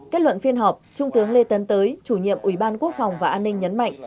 kết luận phiên họp trung tướng lê tấn tới chủ nhiệm ủy ban quốc phòng và an ninh nhấn mạnh